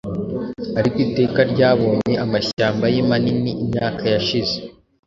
Ariko Iteka ryabonye amashyamba ye manini Imyaka yashize,